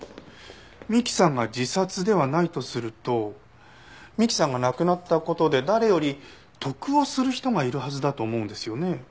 美希さんが自殺ではないとすると美希さんが亡くなった事で誰より得をする人がいるはずだと思うんですよね。